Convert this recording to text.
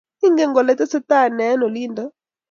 Ingen kole tesetai neeng olindo?